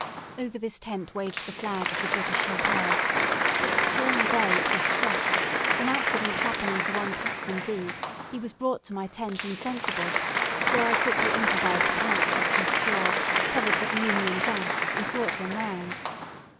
Over this tent waved the flag of the British Hotel, but, during the day, it was struck, for an accident happening to one Captain D , he was brought to my tent insensible, where I quickly improvised a couch of some straw, covered with the Union Jack, and brought him round.